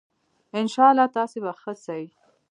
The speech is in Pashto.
ان شاءاللّه تاسي به ښه سئ